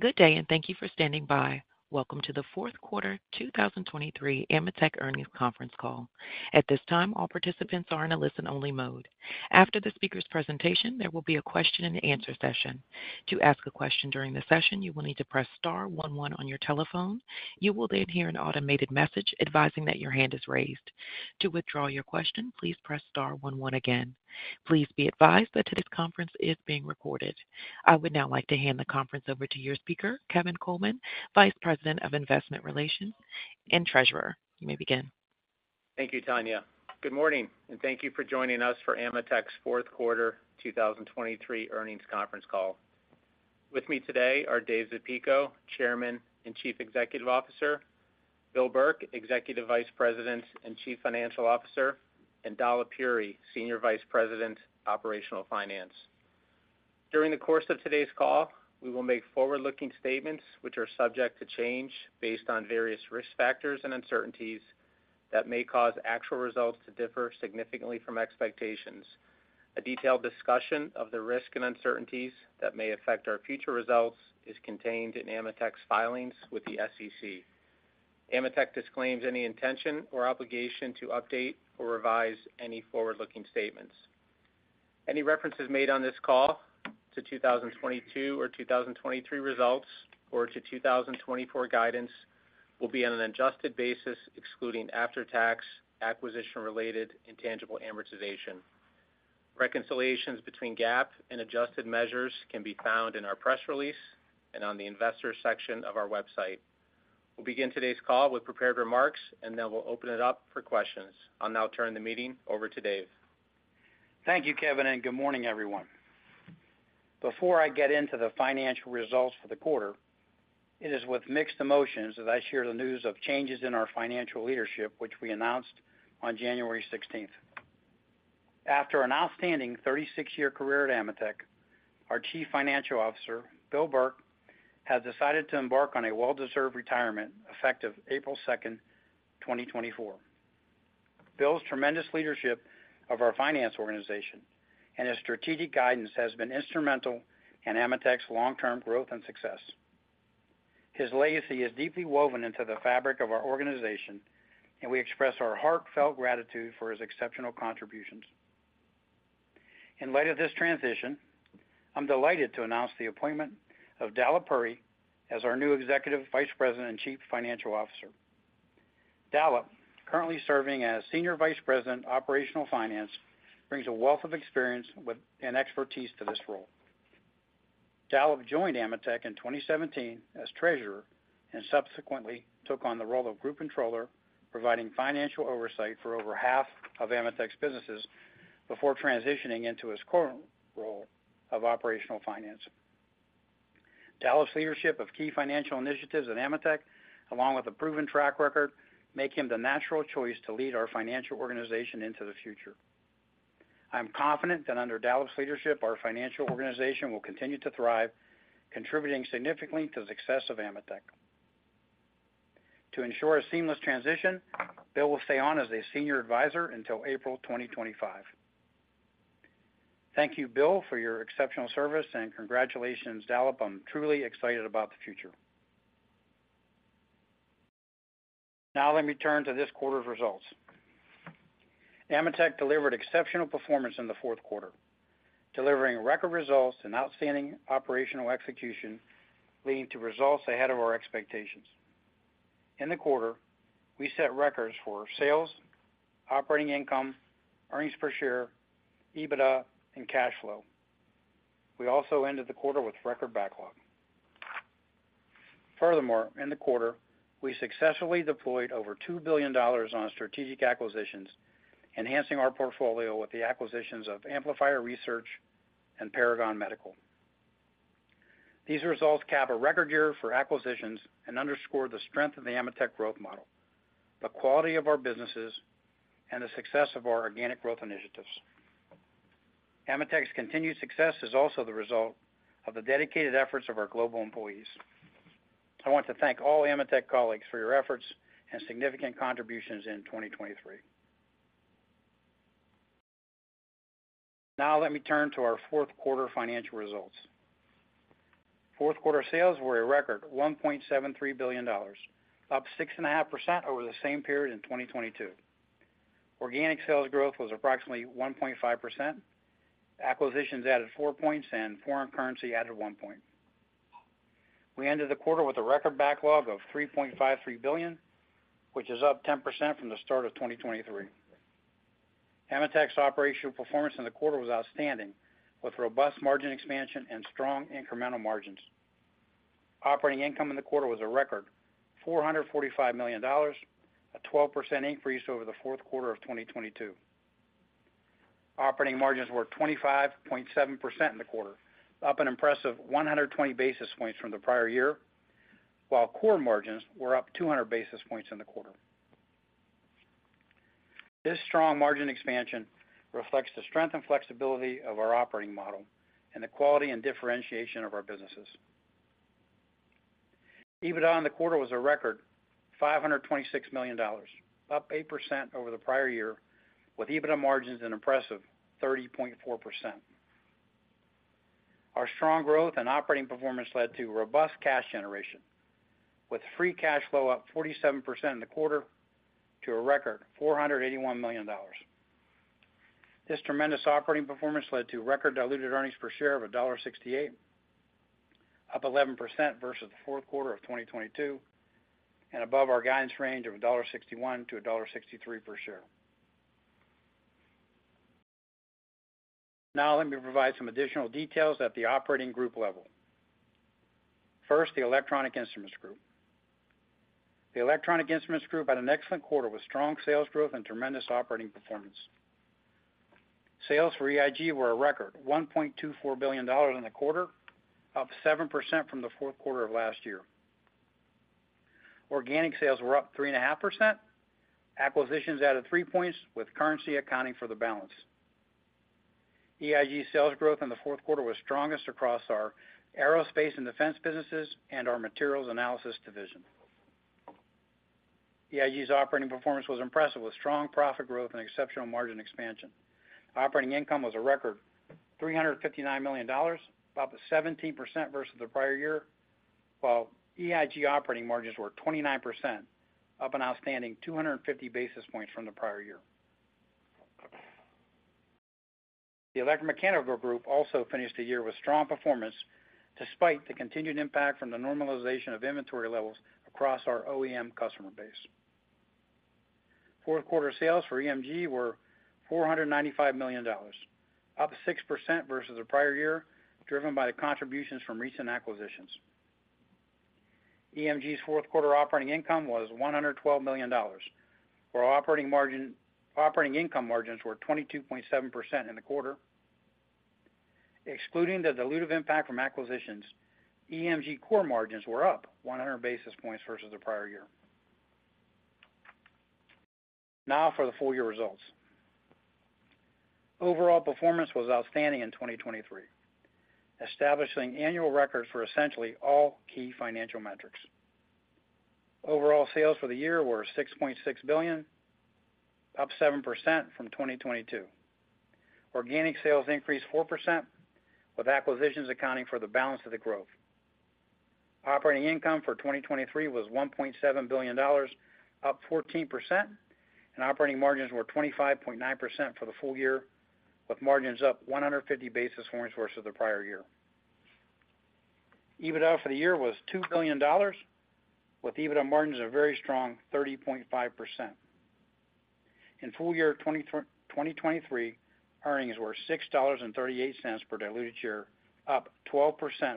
Good day, and thank you for standing by. Welcome to the Q4 2023 AMETEK Earnings Conference Call. At this time, all participants are in a listen-only mode. After the speaker's presentation, there will be a Q&A session. To ask a question during the session, you will need to press star one one on your telephone. You will then hear an automated message advising that your hand is raised. To withdraw your question, please press star one one again. Please be advised that today's conference is being recorded. I would now like to hand the conference over to your speaker, Kevin Coleman, Vice President of Investor Relations and Treasurer. You may begin. Thank you, Tanya. Good morning, and thank you for joining us for AMETEK's Q4 2023 earnings conference call. With me today are Dave Zapico, Chairman and Chief Executive Officer, Bill Burke, Executive Vice President and Chief Financial Officer, and Dalip Puri, Senior Vice President, Operational Finance. During the course of today's call, we will make forward-looking statements which are subject to change based on various risk factors and uncertainties that may cause actual results to differ significantly from expectations. A detailed discussion of the risks and uncertainties that may affect our future results is contained in AMETEK's filings with the SEC. AMETEK disclaims any intention or obligation to update or revise any forward-looking statements. Any references made on this call to 2022 or 2023 results, or to 2024 guidance, will be on an adjusted basis, excluding after-tax, acquisition-related, intangible amortization. Reconciliations between GAAP and adjusted measures can be found in our press release and on the Investors section of our website. We'll begin today's call with prepared remarks, and then we'll open it up for questions. I'll now turn the meeting over to Dave. Thank you, Kevin, and good morning, everyone. Before I get into the financial results for the quarter, it is with mixed emotions that I share the news of changes in our financial leadership, which we announced on January 16. After an outstanding 36-year career at AMETEK, our Chief Financial Officer, Bill Burke, has decided to embark on a well-deserved retirement, effective April 2, 2024. Bill's tremendous leadership of our finance organization and his strategic guidance has been instrumental in AMETEK's long-term growth and success. His legacy is deeply woven into the fabric of our organization, and we express our heartfelt gratitude for his exceptional contributions. In light of this transition, I'm delighted to announce the appointment of Dalip Puri as our new Executive Vice President and Chief Financial Officer. Dalip, currently serving as Senior Vice President, Operational Finance, brings a wealth of experience with and expertise to this role. Dalip joined AMETEK in 2017 as Treasurer and subsequently took on the role of Group Controller, providing financial oversight for over half of AMETEK's businesses before transitioning into his current role of Operational Finance. Dalip's leadership of key financial initiatives at AMETEK, along with a proven track record, make him the natural choice to lead our financial organization into the future. I am confident that under Dalip's leadership, our financial organization will continue to thrive, contributing significantly to the success of AMETEK. To ensure a seamless transition, Bill will stay on as a senior advisor until April 2025. Thank you, Bill, for your exceptional service, and congratulations, Dalip. I'm truly excited about the future. Now let me turn to this quarter's results. AMETEK delivered exceptional performance in the Q4, delivering record results and outstanding operational execution, leading to results ahead of our expectations. In the quarter, we set records for sales, operating income, earnings per share, EBITDA, and cash flow. We also ended the quarter with record backlog. Furthermore, in the quarter, we successfully deployed over $2 billion on strategic acquisitions, enhancing our portfolio with the acquisitions of Amplifier Research and Paragon Medical. These results cap a record year for acquisitions and underscore the strength of the AMETEK growth model, the quality of our businesses, and the success of our organic growth initiatives. AMETEK's continued success is also the result of the dedicated efforts of our global employees. I want to thank all AMETEK colleagues for your efforts and significant contributions in 2023. Now let me turn to our Q4 financial results. Q4 sales were a record $1.73 billion, up 6.5% over the same period in 2022. Organic sales growth was approximately 1.5%. Acquisitions added 4 points, and foreign currency added 1 point. We ended the quarter with a record backlog of $3.53 billion, which is up 10% from the start of 2023. AMETEK's operational performance in the quarter was outstanding, with robust margin expansion and strong incremental margins. Operating income in the quarter was a record $445 million, a 12% increase over the Q4 of 2022. Operating margins were 25.7% in the quarter, up an impressive 120 basis points from the prior year, while core margins were up 200 basis points in the quarter. This strong margin expansion reflects the strength and flexibility of our operating model and the quality and differentiation of our businesses... EBITDA in the quarter was a record $526 million, up 8% over the prior year, with EBITDA margins an impressive 30.4%. Our strong growth and operating performance led to robust cash generation, with free cash flow up 47% in the quarter to a record $481 million. This tremendous operating performance led to record diluted earnings per share of $1.68, up 11% versus the Q4 of 2022, and above our guidance range of $1.61 to $1.63 per share. Now, let me provide some additional details at the operating group level. First, the Electronic Instruments Group. The Electronic Instruments Group had an excellent quarter with strong sales growth and tremendous operating performance. Sales for EIG were a record $1.24 billion in the quarter, up 7% from the Q4 of last year. Organic sales were up 3.5%. Acquisitions added 3 points, with currency accounting for the balance. EIG sales growth in the Q4 was strongest across our Aerospace and Defense businesses and our Materials Analysis Division. EIG's operating performance was impressive, with strong profit growth and exceptional margin expansion. Operating income was a record $359 million, up 17% versus the prior year, while EIG operating margins were 29%, up an outstanding 250 basis points from the prior year. The Electromechanical Group also finished the year with strong performance, despite the continued impact from the normalization of inventory levels across our OEM customer base. Q4 sales for EMG were $495 million, up 6% versus the prior year, driven by the contributions from recent acquisitions. EMG's Q4 operating income was $112 million, where operating margin- operating income margins were 22.7% in the quarter. Excluding the dilutive impact from acquisitions, EMG core margins were up 100 basis points versus the prior year. Now for the full year results. Overall performance was outstanding in 2023, establishing annual records for essentially all key financial metrics. Overall sales for the year were $6.6 billion, up 7% from 2022. Organic sales increased 4%, with acquisitions accounting for the balance of the growth. Operating income for 2023 was $1.7 billion, up 14%, and operating margins were 25.9% for the full year, with margins up 150 basis points versus the prior year. EBITDA for the year was $2 billion, with EBITDA margins a very strong 30.5%. In full year 2023, earnings were $6.38 per diluted share, up 12%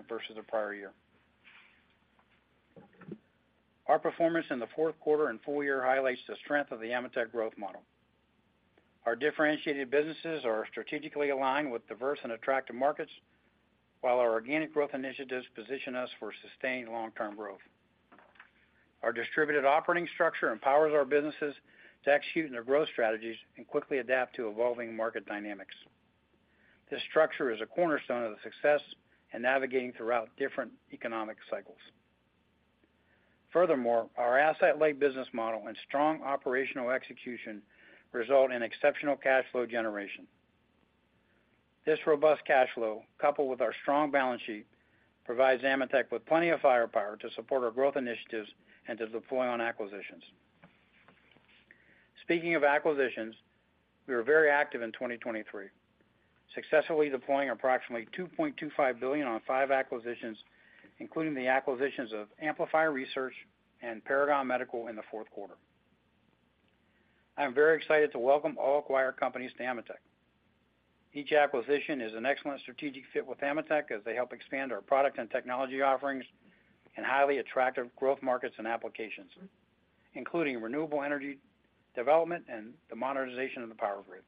versus the prior year. Our performance in the Q4 and full year highlights the strength of the AMETEK growth model. Our differentiated businesses are strategically aligned with diverse and attractive markets, while our organic growth initiatives position us for sustained long-term growth. Our distributed operating structure empowers our businesses to execute on their growth strategies and quickly adapt to evolving market dynamics. This structure is a cornerstone of the success in navigating throughout different economic cycles. Furthermore, our asset-light business model and strong operational execution result in exceptional cash flow generation. This robust cash flow, coupled with our strong balance sheet, provides AMETEK with plenty of firepower to support our growth initiatives and to deploy on acquisitions. Speaking of acquisitions, we were very active in 2023, successfully deploying approximately $2.25 billion on five acquisitions, including the acquisitions of Amplifier Research and Paragon Medical in the Q4. I am very excited to welcome all acquired companies to AMETEK. Each acquisition is an excellent strategic fit with AMETEK, as they help expand our product and technology offerings in highly attractive growth markets and applications, including renewable energy development and the modernization of the power grid.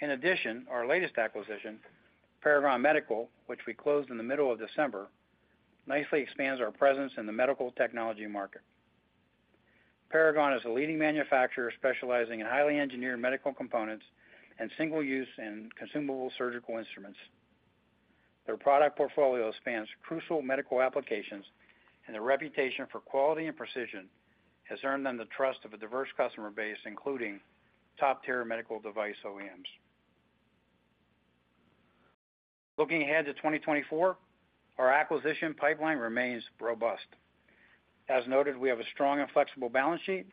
In addition, our latest acquisition, Paragon Medical, which we closed in the middle of December, nicely expands our presence in the medical technology market. Paragon is a leading manufacturer specializing in highly engineered medical components and single-use and consumable surgical instruments. Their product portfolio spans crucial medical applications, and their reputation for quality and precision has earned them the trust of a diverse customer base, including top-tier medical device OEMs. Looking ahead to 2024, our acquisition pipeline remains robust. As noted, we have a strong and flexible balance sheet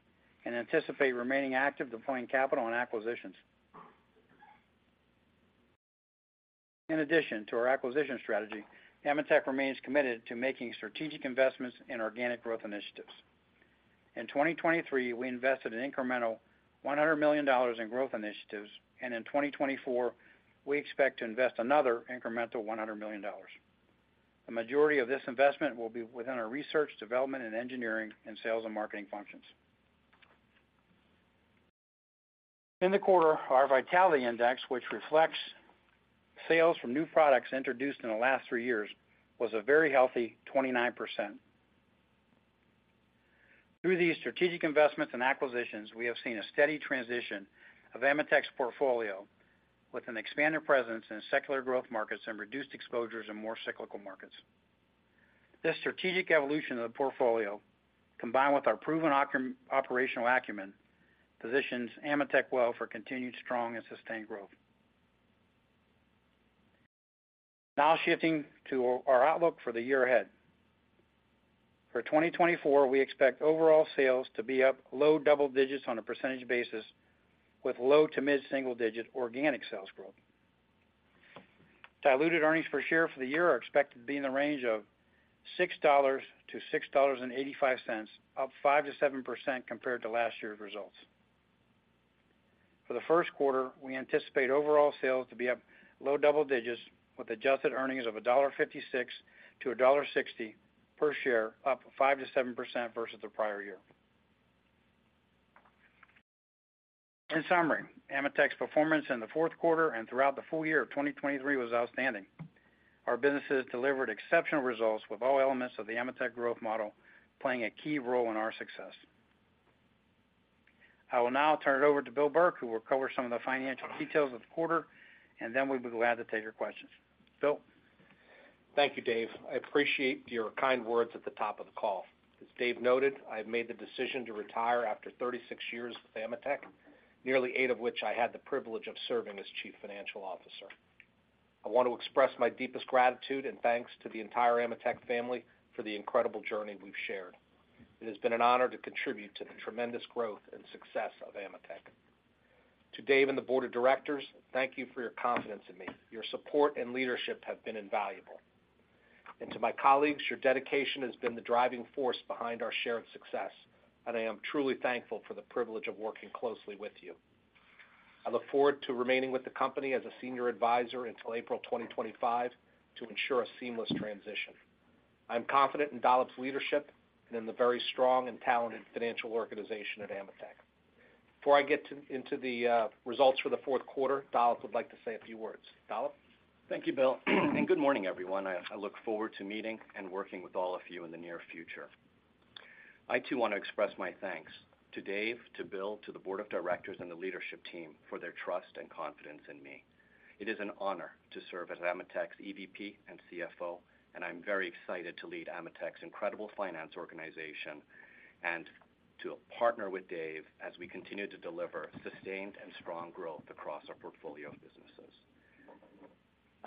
and anticipate remaining active deploying capital on acquisitions. In addition to our acquisition strategy, AMETEK remains committed to making strategic investments in organic growth initiatives. In 2023, we invested an incremental $100 million in growth initiatives, and in 2024, we expect to invest another incremental $100 million. The majority of this investment will be within our research, development, and engineering, and sales and marketing functions. In the quarter, our Vitality Index, which reflects sales from new products introduced in the last three years, was a very healthy 29%. Through these strategic investments and acquisitions, we have seen a steady transition of AMETEK's portfolio, with an expanded presence in secular growth markets and reduced exposures in more cyclical markets. This strategic evolution of the portfolio, combined with our proven operational acumen, positions AMETEK well for continued strong and sustained growth. Now shifting to our outlook for the year ahead. For 2024, we expect overall sales to be up low double digits on a percentage basis, with low- to mid-single-digit organic sales growth. Diluted earnings per share for the year are expected to be in the range of $6 to $6.85, up 5% to 7% compared to last year's results. For the Q1, we anticipate overall sales to be up low double digits, with adjusted earnings of $1.56 to $1.60 per share, up 5% to 7% versus the prior year. In summary, AMETEK's performance in the Q4 and throughout the full year of 2023 was outstanding. Our businesses delivered exceptional results, with all elements of the AMETEK growth model playing a key role in our success. I will now turn it over to Bill Burke, who will cover some of the financial details of the quarter, and then we'll be glad to take your questions. Bill? Thank you, Dave. I appreciate your kind words at the top of the call. As Dave noted, I have made the decision to retire after 36 years with AMETEK, nearly eight of which I had the privilege of serving as Chief Financial Officer. I want to express my deepest gratitude and thanks to the entire AMETEK family for the incredible journey we've shared. It has been an honor to contribute to the tremendous growth and success of AMETEK. To Dave and the board of directors, thank you for your confidence in me. Your support and leadership have been invaluable. To my colleagues, your dedication has been the driving force behind our shared success, and I am truly thankful for the privilege of working closely with you. I look forward to remaining with the company as a senior advisor until April 2025 to ensure a seamless transition. I'm confident in Dalip's leadership and in the very strong and talented financial organization at AMETEK. Before I get into the results for the Q4, Dalip would like to say a few words. Dalip? Thank you, Bill, and good morning, everyone. I look forward to meeting and working with all of you in the near future. I too want to express my thanks to Dave, to Bill, to the board of directors and the leadership team for their trust and confidence in me. It is an honor to serve as AMETEK's EVP and CFO, and I'm very excited to lead AMETEK's incredible finance organization and to partner with Dave as we continue to deliver sustained and strong growth across our portfolio of businesses.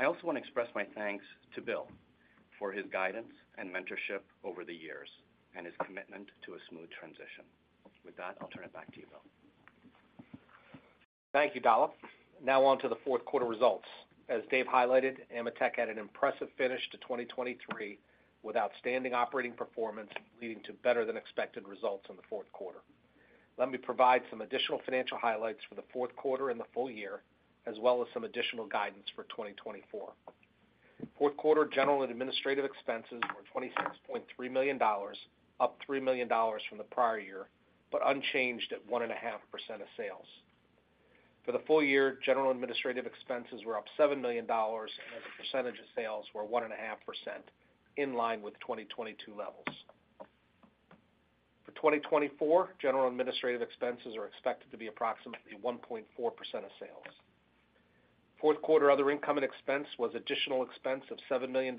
I also want to express my thanks to Bill for his guidance and mentorship over the years and his commitment to a smooth transition. With that, I'll turn it back to you, Bill. Thank you, Dalip. Now on to the Q4 results. As Dave highlighted, AMETEK had an impressive finish to 2023, with outstanding operating performance leading to better than expected results in the Q4. Let me provide some additional financial highlights for the Q4 and the full year, as well as some additional guidance for 2024. Q4 general and administrative expenses were $26.3 million, up $3 million from the prior year, but unchanged at 1.5% of sales. For the full year, general administrative expenses were up $7 million, and as a percentage of sales were 1.5%, in line with 2022 levels. For 2024, general administrative expenses are expected to be approximately 1.4% of sales. Q4 other income and expense was additional expense of $7 million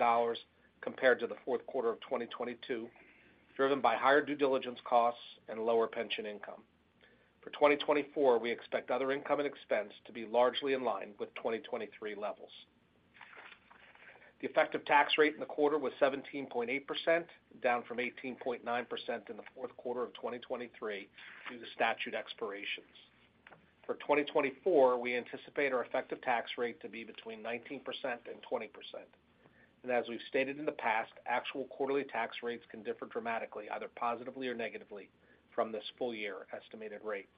compared to the Q4 of 2022, driven by higher due diligence costs and lower pension income. For 2024, we expect other income and expense to be largely in line with 2023 levels. The effective tax rate in the quarter was 17.8%, down from 18.9% in the Q4 of 2023, due to statute expirations. For 2024, we anticipate our effective tax rate to be between 19% and 20%. As we've stated in the past, actual quarterly tax rates can differ dramatically, either positively or negatively, from this full year estimated rate.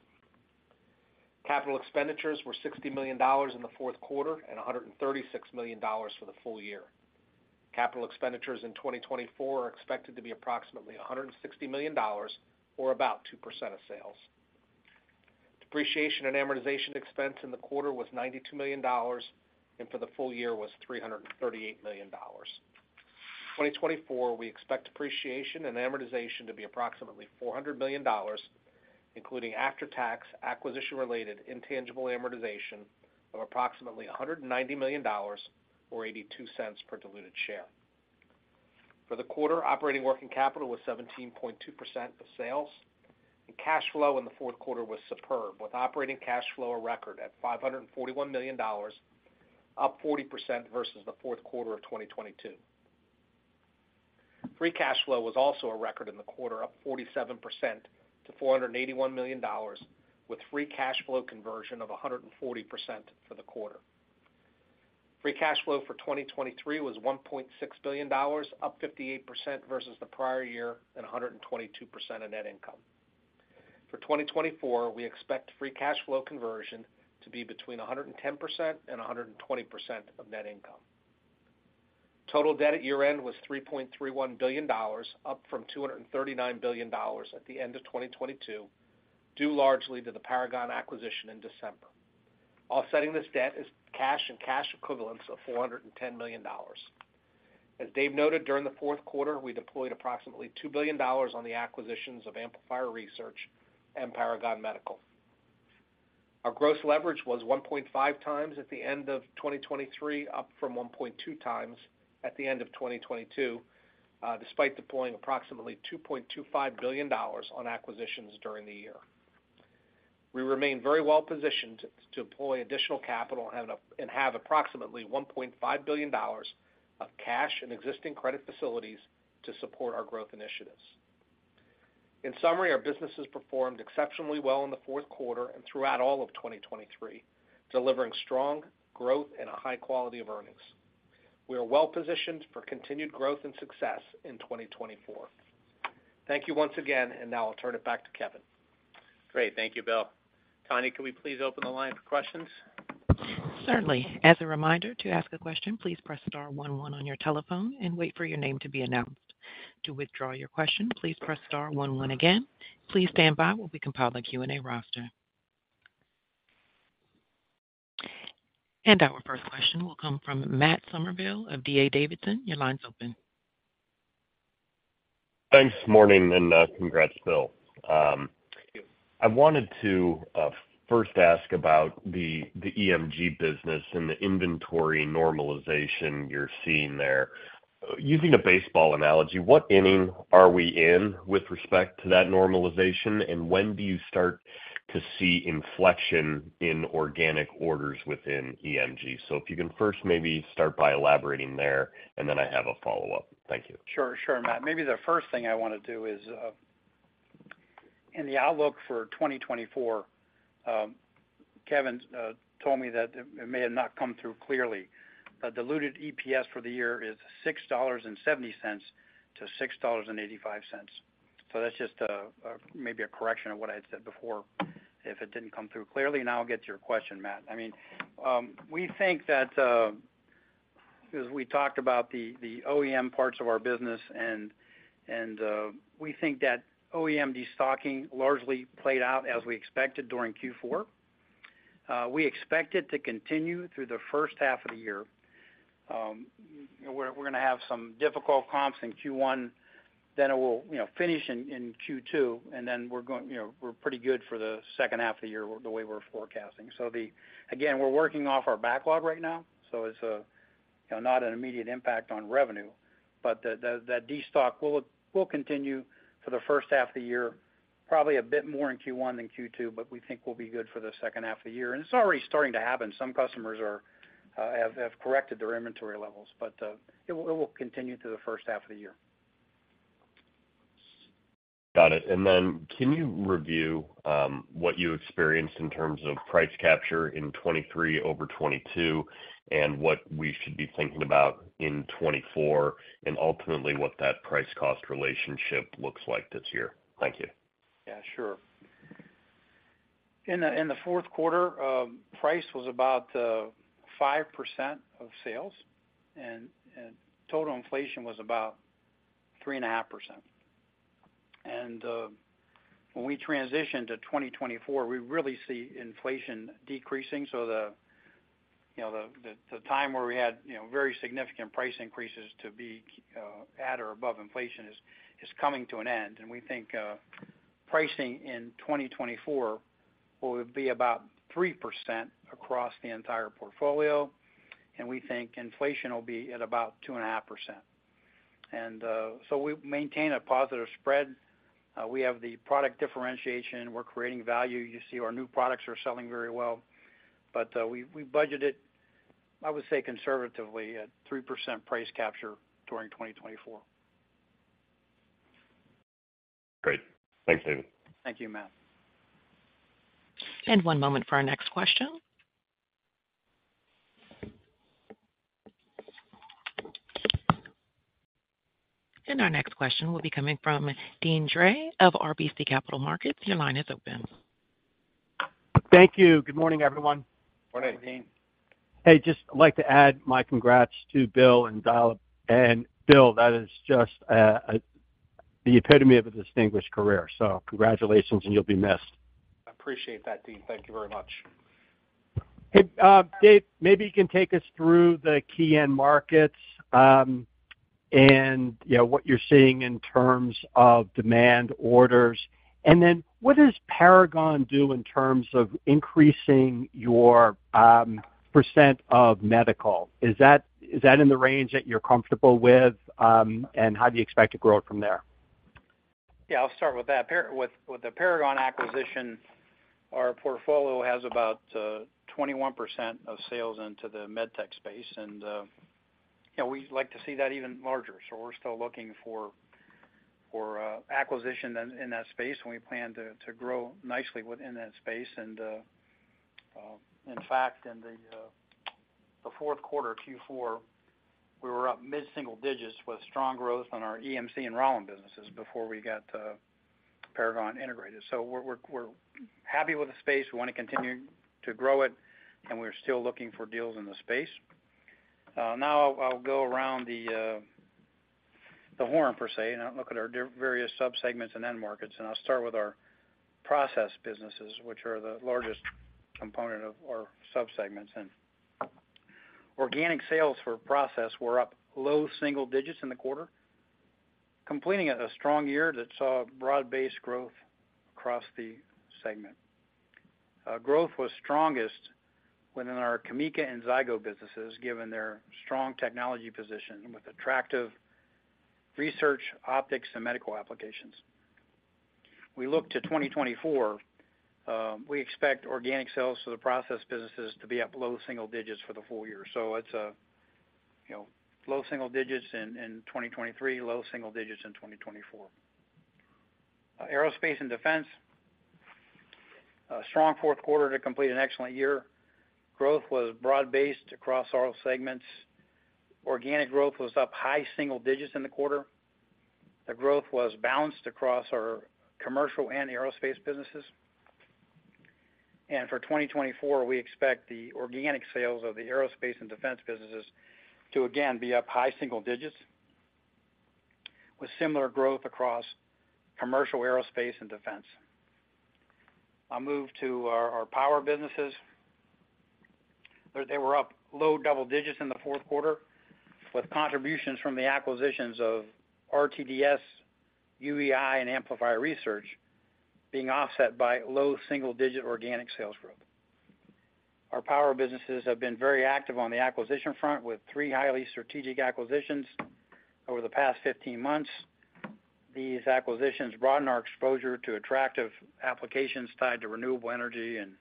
Capital expenditures were $60 million in the Q4 and $136 million for the full year. Capital expenditures in 2024 are expected to be approximately $160 million or about 2% of sales. Depreciation and amortization expense in the quarter was $92 million, and for the full year was $338 million. 2024, we expect depreciation and amortization to be approximately $400 million, including after-tax, acquisition-related, intangible amortization of approximately $190 million or $0.82 per diluted share. For the quarter, operating working capital was 17.2% of sales, and cash flow in the Q4 was superb, with operating cash flow a record at $541 million, up 40% versus the Q4 of 2022. Free cash flow was also a record in the quarter, up 47% to $481 million, with free cash flow conversion of 140% for the quarter. Free cash flow for 2023 was $1.6 billion, up 58% versus the prior year and 122% of net income. For 2024, we expect free cash flow conversion to be between 110% and 120% of net income. Total debt at year-end was $3.31 billion, up from $2.39 billion at the end of 2022, due largely to the Paragon acquisition in December. Offsetting this debt is cash and cash equivalents of $410 million. As Dave noted, during the Q4, we deployed approximately $2 billion on the acquisitions of Amplifier Research and Paragon Medical. Our gross leverage was 1.5x at the end of 2023, up from 1.2x at the end of 2022, despite deploying approximately $2.25 billion on acquisitions during the year. We remain very well positioned to deploy additional capital and have approximately $1.5 billion of cash and existing credit facilities to support our growth initiatives. In summary, our businesses performed exceptionally well in the Q4 and throughout all of 2023, delivering strong growth and a high quality of earnings. We are well-positioned for continued growth and success in 2024. Thank you once again, and now I'll turn it back to Kevin. Great. Thank you, Bill. Connie, can we please open the line for questions? Certainly. As a reminder, to ask a question, please press star one one on your telephone and wait for your name to be announced. To withdraw your question, please press star one one again. Please stand by while we compile the Q&A roster. Our first question will come from Matt Summerville of D.A. Davidson. Your line's open. Thanks, morning, and congrats, Bill. I wanted to first ask about the EMG business and the inventory normalization you're seeing there. Using a baseball analogy, what inning are we in with respect to that normalization? And when do you start to see inflection in organic orders within EMG? So if you can first maybe start by elaborating there, and then I have a follow-up. Thank you. Sure, sure, Matt. Maybe the first thing I want to do is, in the outlook for 2024, Kevin told me that it may have not come through clearly. The diluted EPS for the year is $6.70 to $6.85. So that's just, maybe a correction of what I had said before, if it didn't come through clearly. Now I'll get to your question, Matt. I mean, we think that, as we talked about the OEM parts of our business, and, we think that OEM destocking largely played out as we expected during Q4. We expect it to continue through the first half of the year. We're gonna have some difficult comps in Q1, then it will, you know, finish in Q2, and then we're going, you know, we're pretty good for the second half of the year, the way we're forecasting. So, again, we're working off our backlog right now, so it's, you know, not an immediate impact on revenue, but that destock will continue for the first half of the year, probably a bit more in Q1 than Q2, but we think we'll be good for the second half of the year. And it's already starting to happen. Some customers have corrected their inventory levels, but it will continue through the first half of the year. Got it. And then can you review, what you experienced in terms of price capture in 2023 over 2022, and what we should be thinking about in 2024, and ultimately, what that price-cost relationship looks like this year? Thank you. Yeah, sure. In the Q4, price was about 5% of sales, and total inflation was about 3.5%. When we transition to 2024, we really see inflation decreasing, so the, you know, the time where we had, you know, very significant price increases to be at or above inflation is coming to an end. We think pricing in 2024 will be about 3% across the entire portfolio, and we think inflation will be at about 2.5%. So we maintain a positive spread. We have the product differentiation. We're creating value. You see our new products are selling very well, but we budgeted, I would say conservatively, at 3% price capture during 2024. Great. Thanks, David. Thank you, Matt. One moment for our next question. Our next question will be coming from Deane Dray of RBC Capital Markets. Your line is open. Thank you. Good morning, everyone. Morning, Dean. Hey, just like to add my congrats to Bill and Dalip. And Bill, that is just the epitome of a distinguished career, so congratulations, and you'll be missed. Appreciate that, Dean. Thank you very much. Hey, Dave, maybe you can take us through the key end markets, and, you know, what you're seeing in terms of demand orders. And then, what does Paragon do in terms of increasing your, percent of medical? Is that, is that in the range that you're comfortable with, and how do you expect to grow it from there? Yeah, I'll start with that. With the Paragon acquisition, our portfolio has about 21% of sales into the med tech space, and you know, we'd like to see that even larger. So we're still looking for acquisition in that space, and we plan to grow nicely within that space. And in fact, in the Q4, Q4, we were up mid-single digits with strong growth on our EMC and Rauland businesses before we got Paragon integrated. So we're happy with the space. We want to continue to grow it, and we're still looking for deals in the space. Now I'll go around the... the horn per se, and I look at our various subsegments and end markets, and I'll start with our process businesses, which are the largest component of our subsegments. Organic sales for process were up low single digits in the quarter, completing a strong year that saw broad-based growth across the segment. Growth was strongest within our CAMECA and Zygo businesses, given their strong technology position with attractive research, optics, and medical applications. We look to 2024, we expect organic sales for the process businesses to be up low single digits for the full year. So it's you know, low single digits in 2023, low single digits in 2024. Aerospace and defense, a strong Q4 to complete an excellent year. Growth was broad-based across all segments. Organic growth was up high single digits in the quarter. The growth was balanced across our commercial and aerospace businesses. And for 2024, we expect the organic sales of the Aerospace and Defense businesses to again, be up high single digits, with similar growth across commercial, aerospace, and defense. I'll move to our power businesses. They were up low double digits in the Q4, with contributions from the acquisitions of RTDS, UEI, and Amplifier Research, being offset by low single-digit organic sales growth. Our power businesses have been very active on the acquisition front, with three highly strategic acquisitions over the past 15 months. These acquisitions broaden our exposure to attractive applications tied to renewable energy and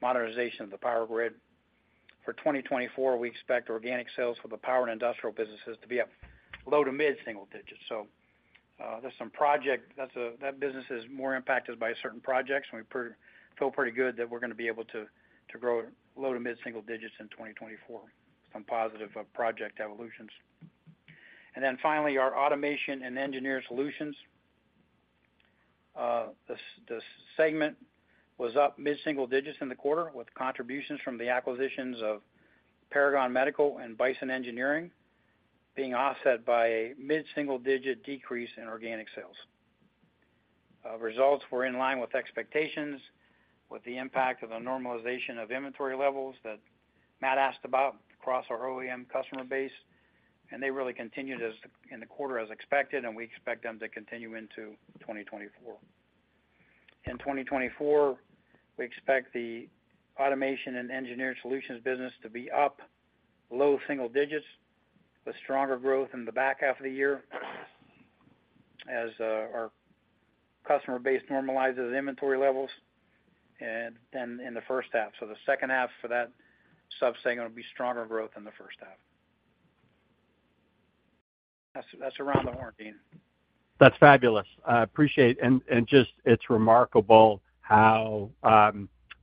modernization of the power grid. For 2024, we expect organic sales for the Power and Industrial businesses to be up low to mid single digits. So, there's some project that's that business is more impacted by certain projects, and we feel pretty good that we're gonna be able to grow low- to mid-single digits in 2024, some positive project evolutions. And then finally, our Automation and Engineered Solutions. The segment was up mid-single digits in the quarter, with contributions from the acquisitions of Paragon Medical and Bison Engineering, being offset by a mid-single-digit decrease in organic sales. Results were in line with expectations, with the impact of the normalization of inventory levels that Matt asked about across our OEM customer base, and they really continued in the quarter as expected, and we expect them to continue into 2024. In 2024, we expect the Automation and Engineered Solutions business to be up low single digits, with stronger growth in the back half of the year, as our customer base normalizes inventory levels and then in the first half. So the second half for that subsegment will be stronger growth than the first half. That's around the horn, Dean. That's fabulous. I appreciate it, and just, it's remarkable how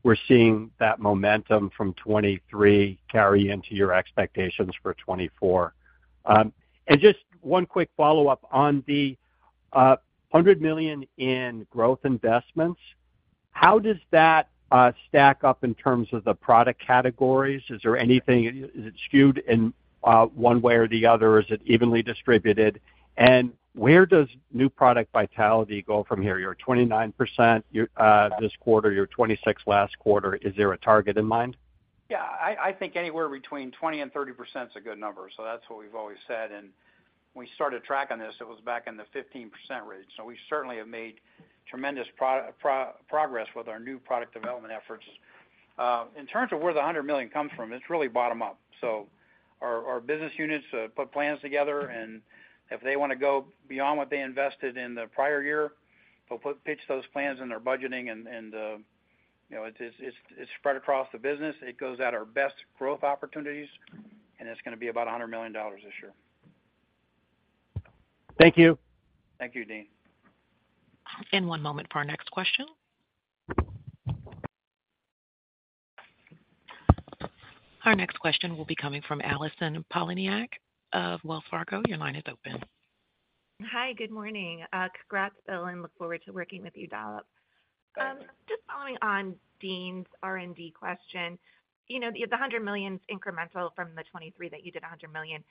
we're seeing that momentum from 2023 carry into your expectations for 2024. And just one quick follow-up on the $100 million in growth investments. How does that stack up in terms of the product categories? Is there anything? Is it skewed in one way or the other? Is it evenly distributed? And where does new product vitality go from here? You're at 29% this quarter, you're at 26% last quarter. Is there a target in mind? Yeah. I think anywhere between 20% and 30% is a good number, so that's what we've always said. And when we started tracking this, it was back in the 15% range, so we certainly have made tremendous progress with our new product development efforts. In terms of where the $100 million comes from, it's really bottom-up. So our business units put plans together, and if they wanna go beyond what they invested in the prior year, they'll pitch those plans in their budgeting, and, you know, it's spread across the business. It goes at our best growth opportunities, and it's gonna be about $100 million this year. Thank you. Thank you, Deane. One moment for our next question. Our next question will be coming from Allison Poliniak of Wells Fargo. Your line is open. Hi, good morning. Congrats, Bill, and look forward to working with you, Dalip. Thank you. Just following on Deane's R&D question. You know, the $100 million is incremental from the 2023, that you did a $100 million.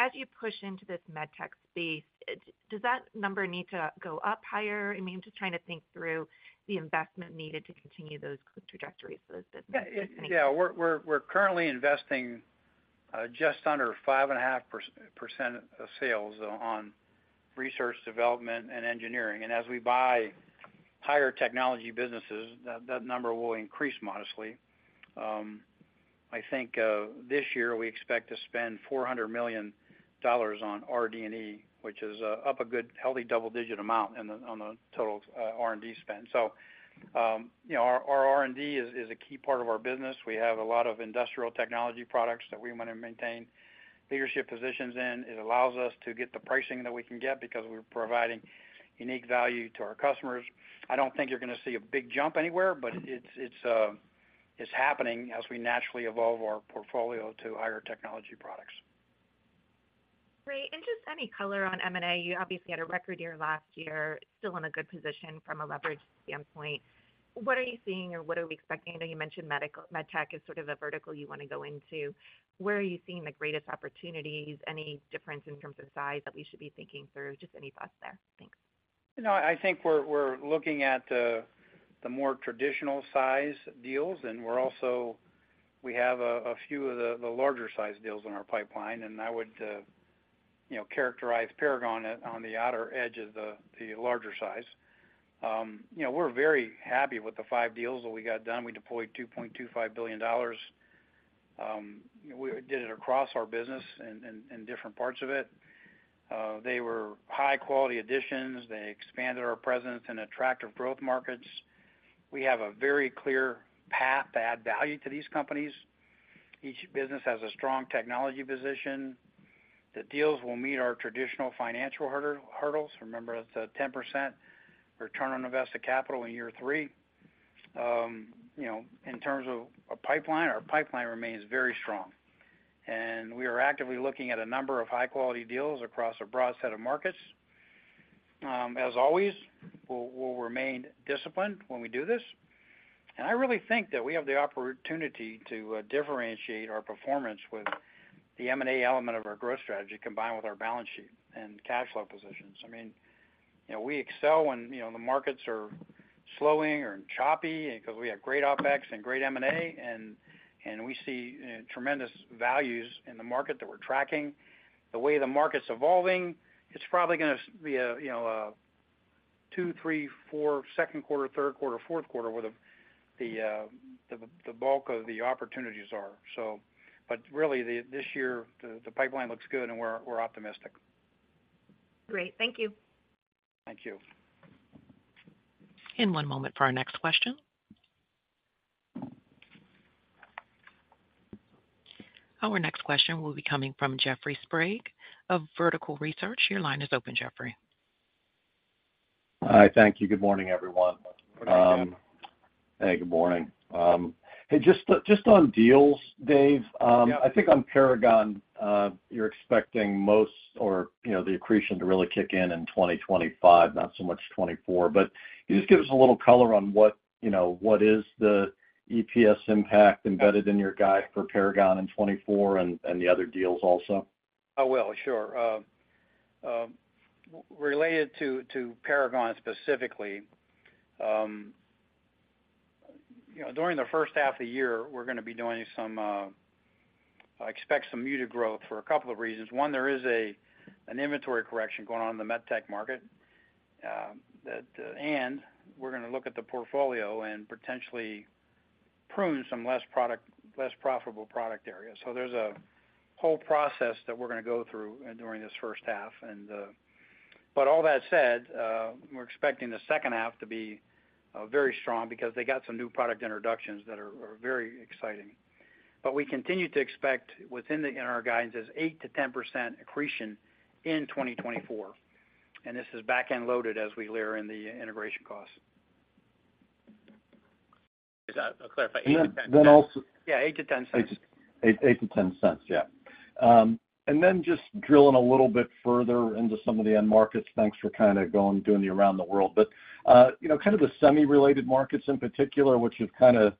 As you push into this med tech space, it does that number need to go up higher? I mean, just trying to think through the investment needed to continue those trajectories for the business. Yeah, we're currently investing just under 5.5% of sales on research, development, and engineering. And as we buy higher technology businesses, that number will increase modestly. I think this year, we expect to spend $400 million on RD&E, which is up a good healthy double-digit amount on the total R&D spend. So, you know, our R&D is a key part of our business. We have a lot of industrial technology products that we want to maintain leadership positions in. It allows us to get the pricing that we can get because we're providing unique value to our customers. I don't think you're gonna see a big jump anywhere, but it's happening as we naturally evolve our portfolio to higher technology products. Great. And just any color on M&A. You obviously had a record year last year, still in a good position from a leverage standpoint. What are you seeing or what are we expecting? I know you mentioned medical, med tech as sort of a vertical you wanna go into. Where are you seeing the greatest opportunities? Any difference in terms of size that we should be thinking through? Just any thoughts there. Thanks. You know, I think we're looking at the more traditional size deals, and we're also we have a few of the larger size deals in our pipeline, and I would, you know, characterize Paragon on the outer edge of the larger size. You know, we're very happy with the five deals that we got done. We deployed $2.25 billion. We did it across our business in different parts of it. They were high-quality additions. They expanded our presence in attractive growth markets. We have a very clear path to add value to these companies. Each business has a strong technology position. The deals will meet our traditional financial hurdles. Remember, it's a 10% return on invested capital in year three. You know, in terms of our pipeline, our pipeline remains very strong, and we are actively looking at a number of high-quality deals across a broad set of markets. As always, we'll remain disciplined when we do this, and I really think that we have the opportunity to differentiate our performance with the M&A element of our growth strategy, combined with our balance sheet and cash flow positions. I mean, you know, we excel when, you know, the markets are slowing or choppy, because we have great OpEx and great M&A, and we see tremendous values in the market that we're tracking. The way the market's evolving, it's probably gonna be a, you know, a two, three, four, Q2, Q3, Q4, where the bulk of the opportunities are. So, but really, this year, the pipeline looks good, and we're optimistic. Great. Thank you. Thank you. One moment for our next question. Our next question will be coming from Jeffrey Sprague of Vertical Research. Your line is open, Jeffrey. Hi. Thank you. Good morning, everyone. Good morning, Jeff. Hey, good morning. Hey, just on deals, Dave Yeah. I think on Paragon, you're expecting most or, you know, the accretion to really kick in, in 2025, not so much 2024, but can you just give us a little color on what, you know, what is the EPS impact embedded in your guide for Paragon in 2024, and, and the other deals also? I will, sure. Related to Paragon specifically, you know, during the first half of the year, we're gonna be doing some. I expect some muted growth for a couple of reasons. One, there is an inventory correction going on in the med tech market, that and we're gonna look at the portfolio and potentially prune some less profitable product areas. So there's a whole process that we're gonna go through, during this first half, and. But all that said, we're expecting the second half to be very strong because they got some new product introductions that are very exciting. But we continue to expect within the, in our guidance as 8% to 10% accretion in 2024, and this is back-end loaded as we layer in the integration costs. I'll clarify, $0.08 to $0.10. Then also, Yeah, $0.08 to $0.10. $0.08 to $0.10, yeah. And then just drilling a little bit further into some of the end markets, thanks for kind of going, doing the around the world. But, you know, kind of the semi-related markets in particular, which have kind of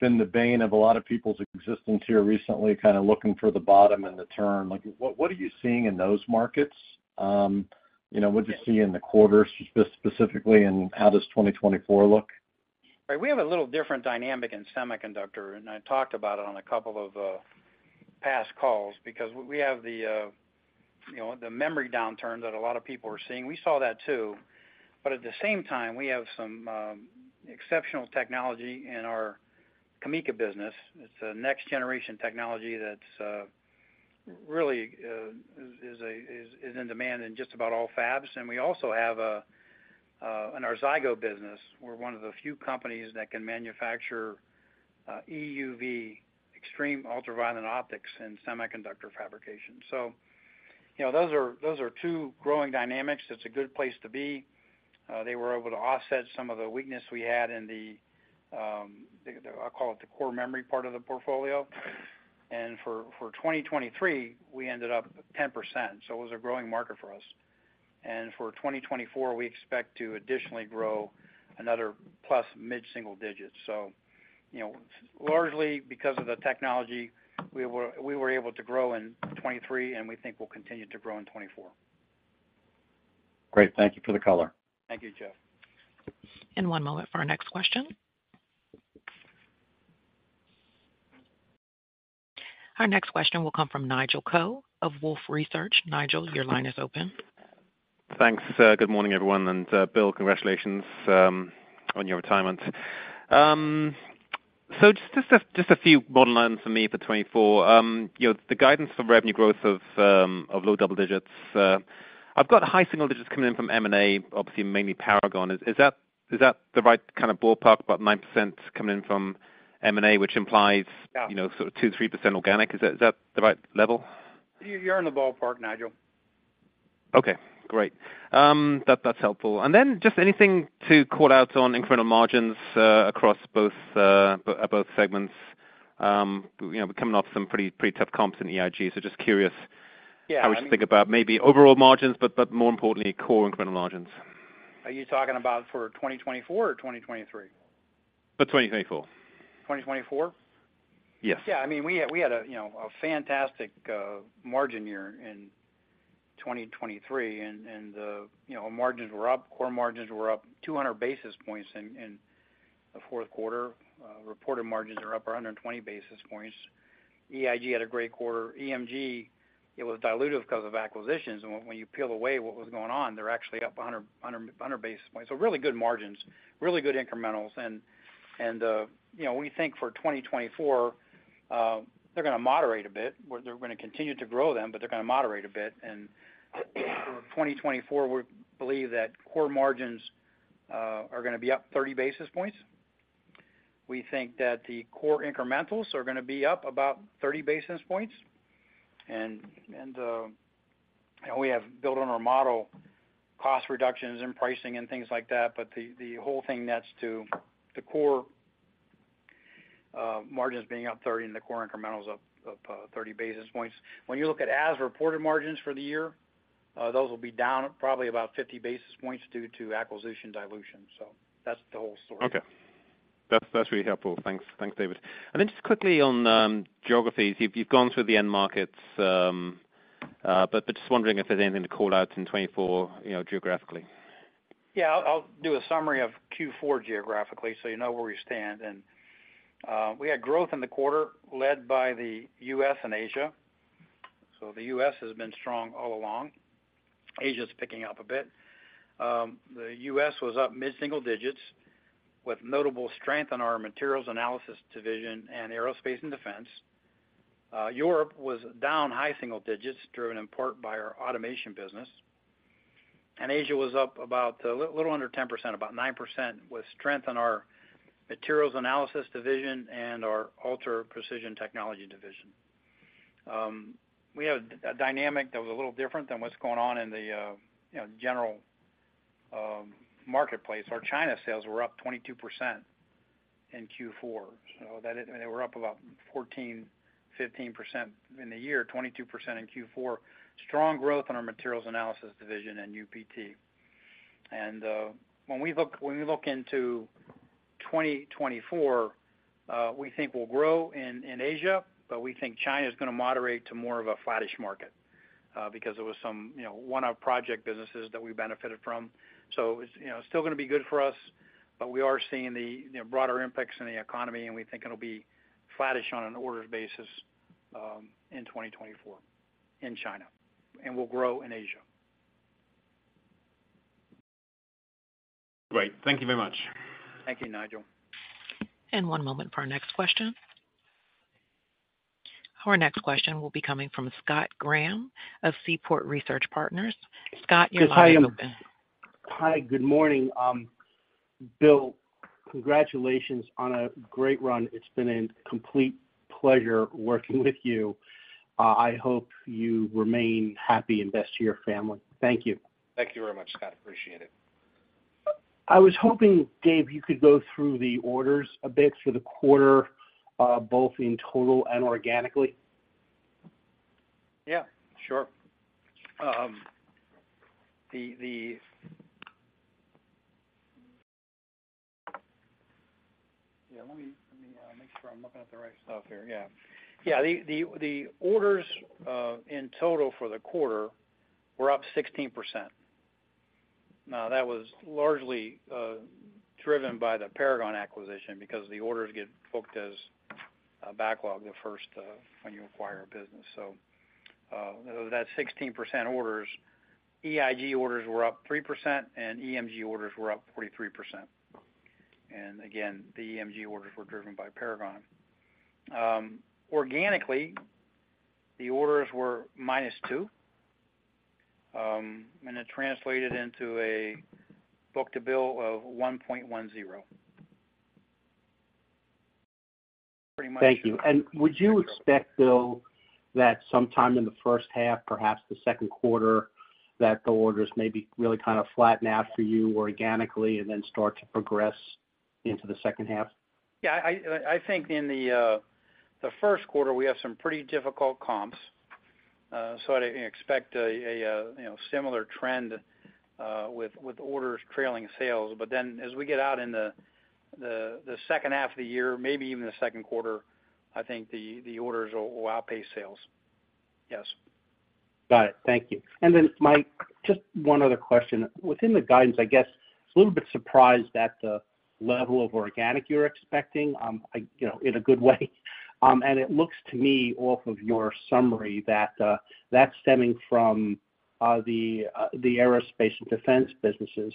been the bane of a lot of people's existence here recently, kind of looking for the bottom and the turn, like, what, what are you seeing in those markets? You know, what'd you see in the quarter specifically, and how does 2024 look? Right. We have a little different dynamic in semiconductor, and I talked about it on a couple of past calls, because we have the you know the memory downturn that a lot of people are seeing. We saw that too, but at the same time, we have some exceptional technology in our CAMECA business. It's a next-generation technology that's really in demand in just about all fabs. And we also have in our Zygo business, we're one of the few companies that can manufacture EUV, extreme ultraviolet optics in semiconductor fabrication. So, you know, those are two growing dynamics. It's a good place to be. They were able to offset some of the weakness we had in the, I'll call it, the core memory part of the portfolio. For 2023, we ended up 10%, so it was a growing market for us. For 2024, we expect to additionally grow another plus mid-single digits. So, you know, largely because of the technology, we were able to grow in 2023, and we think we'll continue to grow in 2024. Great. Thank you for the color. Thank you, Jeff. One moment for our next question. Our next question will come from Nigel Coe of Wolfe Research. Nigel, your line is open. Thanks. Good morning, everyone, and Bill, congratulations on your retirement. So just a few bottom lines for me for 2024. You know, the guidance for revenue growth of low double digits. I've got high single digits coming in from M&A, obviously mainly Paragon. Is that the right kind of ballpark, about 9% coming in from M&A, which implies Yeah you know, sort of 2%-3% organic? Is that, is that the right level? You, you're in the ballpark, Nigel. Okay, great. That's helpful. And then just anything to call out on incremental margins across both segments? You know, we're coming off some pretty tough comps in EIG, so just curious Yeah, I how we should think about maybe overall margins, but more importantly, core incremental margins. Are you talking about for 2024 or 2023? For 2024. 2024? Yeah, I mean, we had a fantastic margin year in 2023, and the margins were up. Core margins were up 200 basis points in the Q4. Reported margins are up 120 basis points. EIG had a great quarter. EMG, it was dilutive because of acquisitions, and when you peel away what was going on, they're actually up 100 basis points. So really good margins, really good incrementals. And, you know, we think for 2024, they're gonna moderate a bit. Well, they're gonna continue to grow them, but they're gonna moderate a bit. And for 2024, we believe that core margins are gonna be up 30 basis points. We think that the core incrementals are gonna be up about 30 basis points. We have built on our model cost reductions in pricing and things like that, but the whole thing nets to the Core Margins being up 30 and the core incrementals up 30 basis points. When you look at as-reported margins for the year, those will be down probably about 50 basis points due to acquisition dilution. So that's the whole story. Okay. That's really helpful. Thanks. Thanks, David. And then just quickly on geographies. You've gone through the end markets, but just wondering if there's anything to call out in 2024, you know, geographically? Yeah, I'll do a summary of Q4 geographically so you know where we stand. And we had growth in the quarter, led by the U.S. and Asia. So the U.S. has been strong all along. Asia's picking up a bit. The U.S. was up mid-single digits, with notable strength in our materials analysis division and Aerospace and Defense. Europe was down high single digits, driven in part by our automation business. And Asia was up about little under 10%, about 9%, with strength in our materials analysis division and our Ultra Precision Technology Division. We had a dynamic that was a little different than what's going on in the you know, general marketplace. Our China sales were up 22% in Q4, so that is. They were up about 14%, 15% in the year, 22% in Q4. Strong growth in our Materials Analysis Division and UPT. And when we look into 2024, we think we'll grow in Asia, but we think China's gonna moderate to more of a flattish market, because there was some, you know, one-off project businesses that we benefited from. So it's, you know, still gonna be good for us, but we are seeing the, you know, broader impacts in the economy, and we think it'll be flattish on an orders basis in 2024 in China, and we'll grow in Asia. Great. Thank you very much. Thank you, Nigel. One moment for our next question. Our next question will be coming from Scott Graham of Seaport Research Partners. Scott, your line is open. Hi, hi, good morning. Bill, congratulations on a great run. It's been a complete pleasure working with you. I hope you remain happy and best to your family. Thank you. Thank you very much, Scott. Appreciate it. I was hoping, Dave, you could go through the orders a bit for the quarter, both in total and organically. Yeah, sure. Yeah, let me make sure I'm looking at the right stuff here. Yeah. Yeah, the orders in total for the quarter were up 16%. Now, that was largely driven by the Paragon acquisition, because the orders get booked as a backlog the first when you acquire a business. So, of that 16% orders, EIG orders were up 3%, and EMG orders were up 43%. And again, the EMG orders were driven by Paragon. Organically, the orders were -2%, and it translated into a book-to-bill of 1.10. Pretty much. Thank you. Would you expect, Bill, that sometime in the first half, perhaps the Q2, that the orders may be really kind of flatten out for you organically and then start to progress into the second half? Yeah, I think in the Q1, we have some pretty difficult comps. So I'd expect a you know, similar trend, with orders trailing sales. But then as we get out in the second half of the year, maybe even the Q2, I think the orders will outpace sales. Yes. Got it. Thank you. And then, Burke, just one other question. Within the guidance, I guess, I was a little bit surprised at the level of organic you're expecting, you know, in a good way. And it looks to me, off of your summary, that that's stemming from the Aerospace and Defense businesses.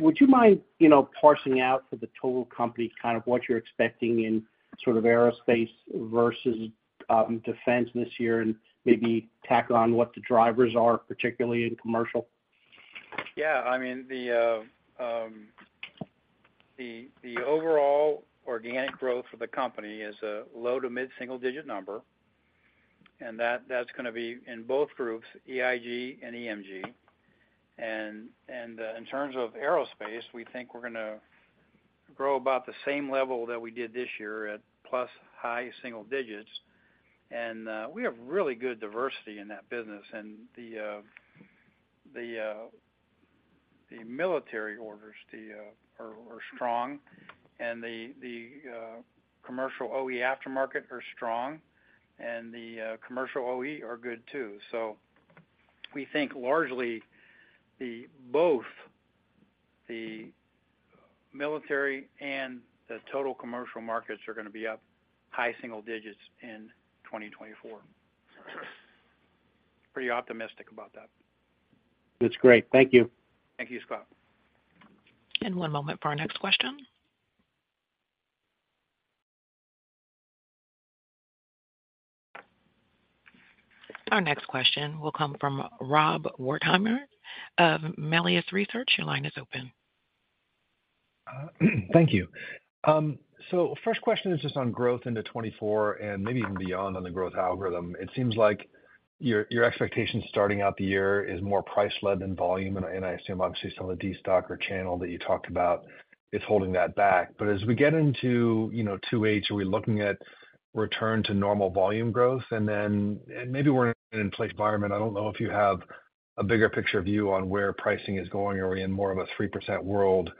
Would you mind, you know, parsing out for the total company kind of what you're expecting in sort of aerospace versus defense this year, and maybe tack on what the drivers are, particularly in commercial? Yeah, I mean, the overall organic growth for the company is a low- to mid-single-digit number, and that's gonna be in both groups, EIG and EMG. And in terms of aerospace, we think we're gonna grow about the same level that we did this year at plus high-single-digits. And we have really good diversity in that business, and the military orders are strong, and the commercial OE aftermarket are strong, and the commercial OE are good, too. So we think largely both the military and the total commercial markets are gonna be up high-single-digits in 2024. Pretty optimistic about that. That's great. Thank you. Thank you, Scott. One moment for our next question. Our next question will come from Rob Wertheimer of Melius Research. Your line is open. Thank you. So first question is just on growth into 2024 and maybe even beyond on the growth algorithm. It seems like your, your expectations starting out the year is more price-led than volume, and I, and I assume, obviously, some of the destocker channel that you talked about is holding that back. But as we get into, you know, 2H, are we looking at return to normal volume growth? And then, and maybe we're in an environment, I don't know if you have a bigger picture view on where pricing is going. Are we in more of a 3% world,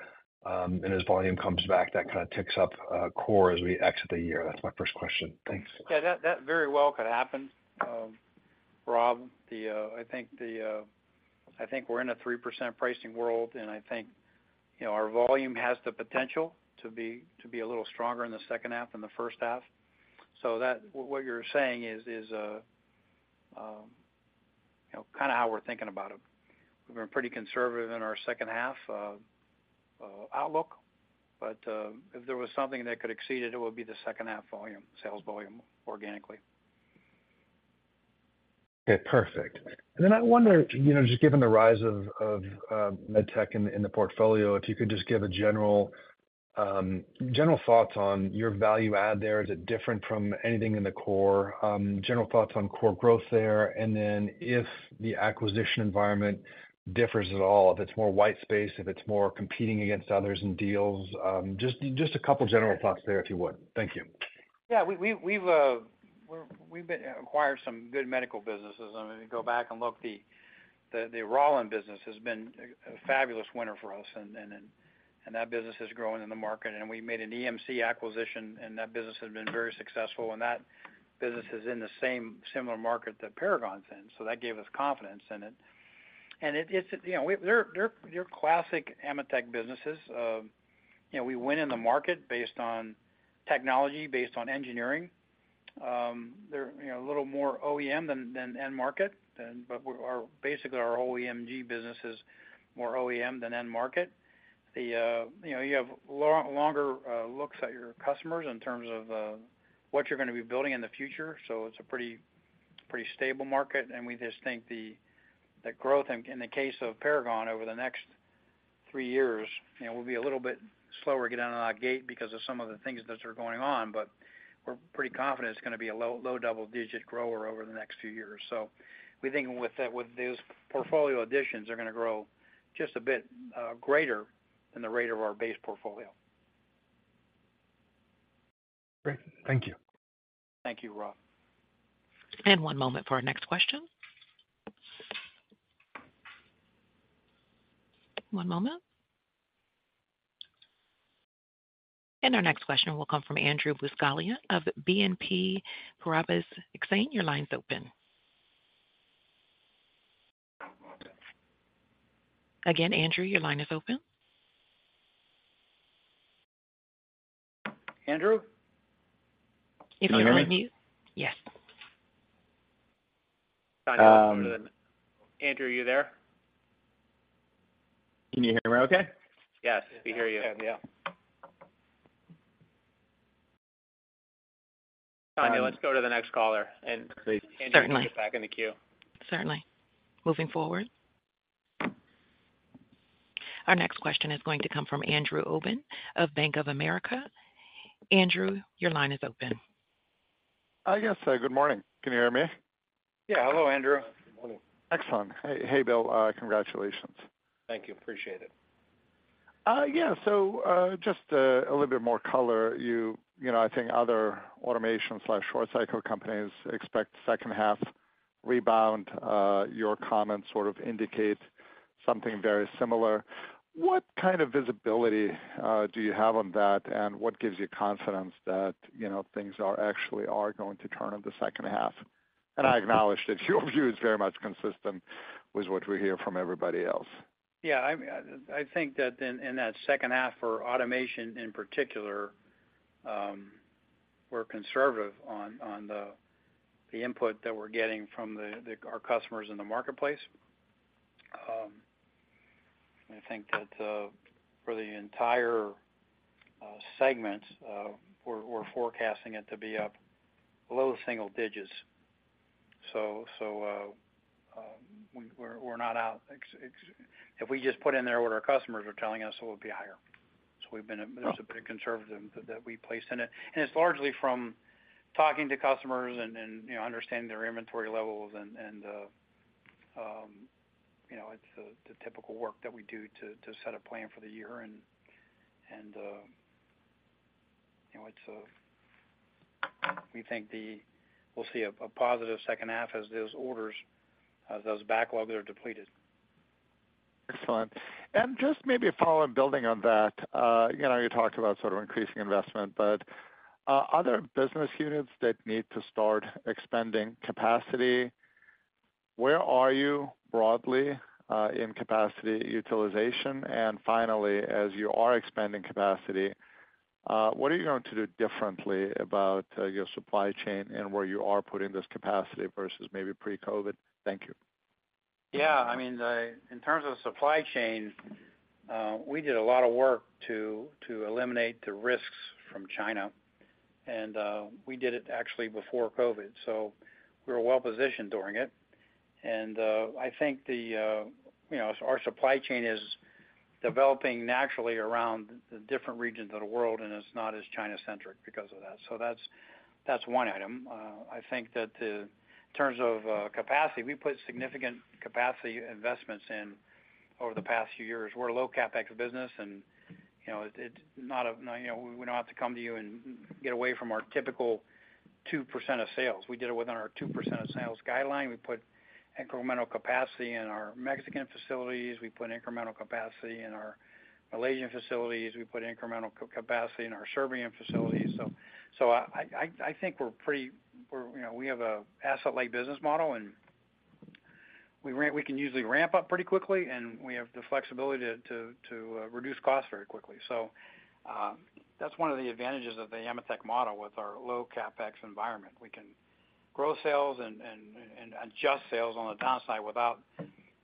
and as volume comes back, that kind of ticks up, core as we exit the year? That's my first question. Thanks. Yeah, that very well could happen, Rob. I think we're in a 3% pricing world, and I think, you know, our volume has the potential to be a little stronger in the second half than the first half. So that what you're saying is, you know, kind of how we're thinking about it. We've been pretty conservative in our second half outlook, but if there was something that could exceed it, it would be the second half volume, sales volume organically. Okay, perfect. And then I wonder, you know, just given the rise of med tech in the portfolio, if you could just give a general, general thoughts on your value add there. Is it different from anything in the core? General thoughts on core growth there, and then if the acquisition environment differs at all, if it's more white space, if it's more competing against others in deals, just a couple general thoughts there, if you would. Thank you. Yeah, we've acquired some good medical businesses. I mean, if you go back and look, the Rauland business has been a fabulous winner for us, and that business is growing in the market. And we made an EMC acquisition, and that business has been very successful, and that business is in the same similar market that Paragon's in, so that gave us confidence in it. And it's, you know, they're classic AMETEK businesses. You know, we win in the market based on technology, based on engineering. They're, you know, a little more OEM than end market, but basically our EMG business is more OEM than end market. You know, you have longer looks at your customers in terms of what you're gonna be building in the future, so it's a pretty, pretty stable market, and we just think the growth in the case of Paragon over the next three years, you know, will be a little bit slower getting out of the gate because of some of the things that are going on. But we're pretty confident it's gonna be a low, low double-digit grower over the next few years. So we think with these portfolio additions, they're gonna grow just a bit greater than the rate of our base portfolio. Great. Thank you. Thank you, Rob. One moment for our next question. One moment. Our next question will come from Andrew Buscaglia of BNP Paribas Exane. Your line's open. Again, Andrew, your line is open. Andrew? Can you hear me? Yes. Andrew, are you there? Can you hear me okay? Yes, we hear you. Yeah. Tanya, let's go to the next caller, and- Certainly. Andrew, you can get back in the queue. Certainly. Moving forward. Our next question is going to come from Andrew Obin of Bank of America. Andrew, your line is open. Hi, guys. Good morning. Can you hear me? Yeah. Hello, Andrew. Good morning. Excellent. Hey, hey, Bill, congratulations. Thank you. Appreciate it. Yeah, so just a little bit more color. You know, I think other automation/short cycle companies expect second half rebound. Your comments sort of indicate something very similar. What kind of visibility do you have on that, and what gives you confidence that, you know, things are actually going to turn in the second half? I acknowledge that your view is very much consistent with what we hear from everybody else. Yeah, I think that in that second half for automation, in particular, we're conservative on the input that we're getting from our customers in the marketplace. I think that for the entire segment, we're forecasting it to be up low single digits. So, we're not out. If we just put in there what our customers are telling us, it would be higher. So we've been Oh. It's a pretty conservative that we placed in it, and it's largely from talking to customers and, you know, understanding their inventory levels, and, you know, it's the typical work that we do to set a plan for the year and you know, it's we think we'll see a positive second half as those orders, as those backlogs are depleted. Excellent. Just maybe a follow and building on that, you know, you talked about sort of increasing investment, but, are there business units that need to start expanding capacity? Where are you broadly, in capacity utilization? And finally, as you are expanding capacity, what are you going to do differently about, your supply chain and where you are putting this capacity versus maybe pre-COVID? Thank you. Yeah, I mean, in terms of supply chain, we did a lot of work to eliminate the risks from China, and we did it actually before COVID, so we were well-positioned during it. And, I think you know, our supply chain is developing naturally around the different regions of the world, and it's not as China-centric because of that. So that's one item. I think in terms of capacity, we put significant capacity investments in over the past few years. We're a low CapEx business, and you know, it's not, you know, we don't have to come to you and get away from our typical 2% of sales. We did it within our 2% of sales guideline. We put incremental capacity in our Mexican facilities. We put incremental capacity in our Malaysian facilities. We put incremental capacity in our Serbian facilities. So I think we're pretty we're, you know, we have an asset-light business model, and we can usually ramp up pretty quickly, and we have the flexibility to reduce costs very quickly. So that's one of the advantages of the AMETEK model with our low CapEx environment. We can grow sales and adjust sales on the downside without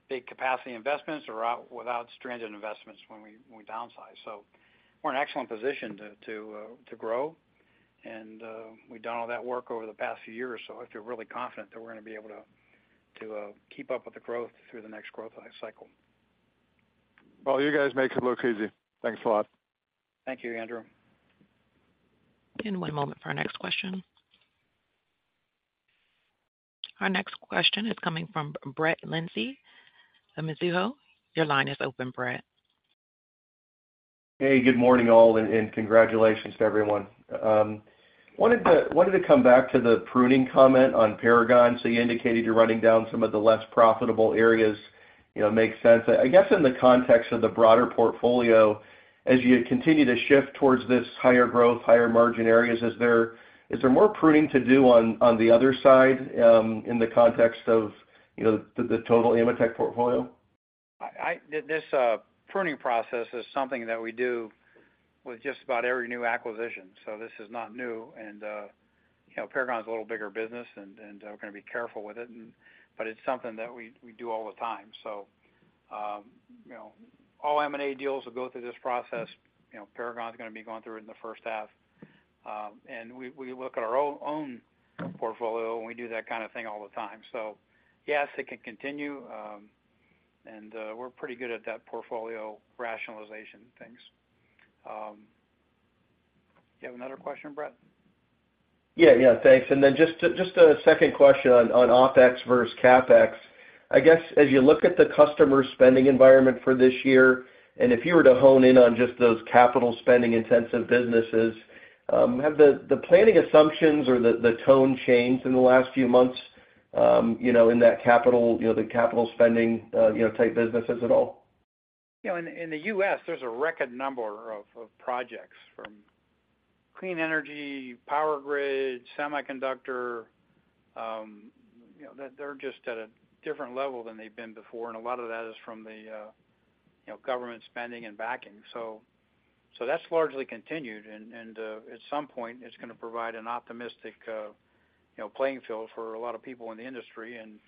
big capacity investments or without stringent investments when we downsize. So we're in an excellent position to grow, and we've done all that work over the past few years, so I feel really confident that we're gonna be able to keep up with the growth through the next growth life cycle. Well, you guys make it look easy. Thanks a lot. Thank you, Andrew. One moment for our next question. Our next question is coming from Brett Linzey of Mizuho. Your line is open, Brett. Hey, good morning, all, and congratulations to everyone. Wanted to come back to the pruning comment on Paragon. So you indicated you're running down some of the less profitable areas, you know, makes sense. I guess in the context of the broader portfolio, as you continue to shift towards this higher growth, higher margin areas, is there more pruning to do on the other side, in the context of, you know, the total AMETEK portfolio? This pruning process is something that we do with just about every new acquisition, so this is not new. And you know, Paragon's a little bigger business, and we're gonna be careful with it, and but it's something that we do all the time. So you know, all M&A deals will go through this process. You know, Paragon's gonna be going through it in the first half. And we look at our own portfolio, and we do that kind of thing all the time. So yes, it can continue, and we're pretty good at that portfolio rationalization things. Do you have another question, Brett? Yeah, yeah, thanks. And then just a second question on OpEx versus CapEx. I guess, as you look at the customer spending environment for this year, and if you were to hone in on just those capital spending intensive businesses, have the planning assumptions or the tone changed in the last few months, you know, in that capital, you know, the capital spending type businesses at all? You know, in the U.S., there's a record number of projects from clean energy, power grid, semiconductor, you know, they're just at a different level than they've been before, and a lot of that is from the, you know, government spending and backing. So that's largely continued, and at some point, it's gonna provide an optimistic, you know, playing field for a lot of people in the industry, and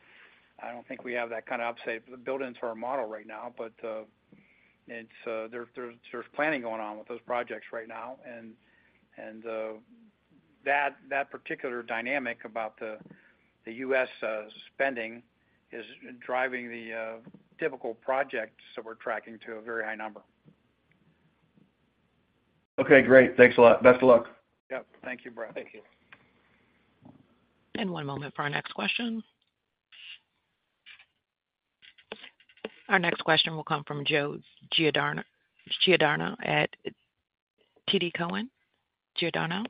I don't think we have that kind of upside built into our model right now. But there is planning going on with those projects right now, and that particular dynamic about the U.S. spending is driving the typical projects that we're tracking to a very high number. Okay, great. Thanks a lot. Best of luck. Yep. Thank you, Brett. Thank you. One moment for our next question. Our next question will come from Joe Giordano at TD Cowen. Giordano?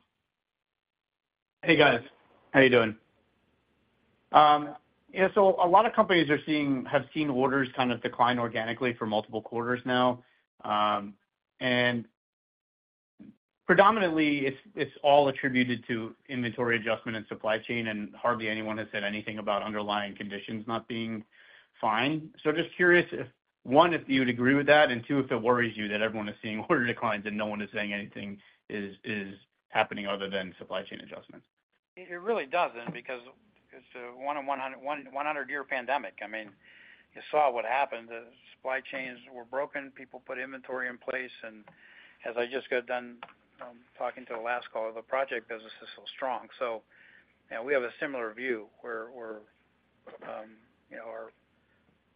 Hey, guys. How are you doing? Yeah, so a lot of companies have seen orders kind of decline organically for multiple quarters now. And predominantly, it's all attributed to inventory adjustment and supply chain, and hardly anyone has said anything about underlying conditions not being fine. So just curious if, one, if you would agree with that, and two, if it worries you that everyone is seeing order declines and no one is saying anything is happening other than supply chain adjustments? It really doesn't, because it's a one in 100-year pandemic. I mean, you saw what happened. The supply chains were broken, people put inventory in place, and as I just got done talking to the last caller, the project business is so strong. So, you know, we have a similar view, where you know, our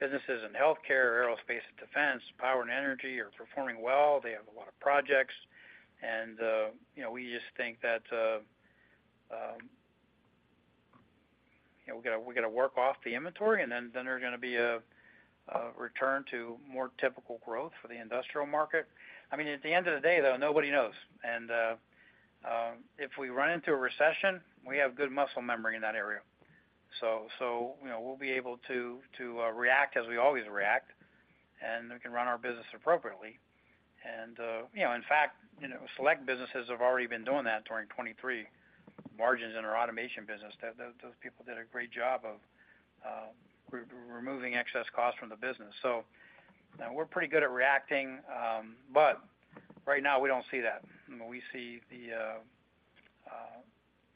businesses in Healthcare, Aerospace and Defense, power and energy are performing well. They have a lot of projects, and you know, we just think that you know, we gotta work off the inventory, and then there's gonna be a return to more typical growth for the industrial market. I mean, at the end of the day, though, nobody knows. And if we run into a recession, we have good muscle memory in that area. So, you know, we'll be able to react as we always react, and we can run our business appropriately. You know, in fact, you know, select businesses have already been doing that during 2023. Margins in our automation business, those people did a great job of removing excess costs from the business. So, you know, we're pretty good at reacting, but right now we don't see that. We see the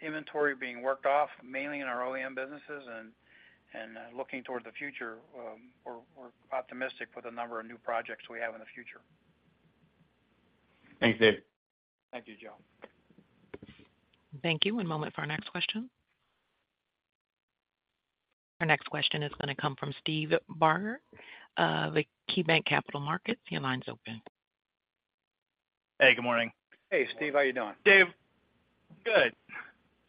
inventory being worked off, mainly in our OEM businesses, and looking toward the future, we're optimistic with the number of new projects we have in the future. Thanks, Dave. Thank you, Joe. Thank you. One moment for our next question. Our next question is gonna come from Steve Barger of KeyBanc Capital Markets. Your line's open. Hey, good morning. Hey, Steve, how you doing? Dave, good.